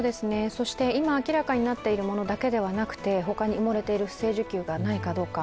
そして今明らかになっているものだけではなくて他に埋もれている不正受給がないかどうか。